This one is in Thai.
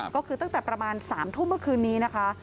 ก็คือตั้งแต่ประมาณ๓ทุ่มเมื่อคืนนี้นะคะ